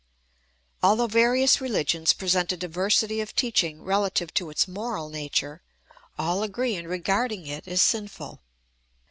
Although various religions present a diversity of teaching relative to its moral nature, all agree in regarding it as sinful.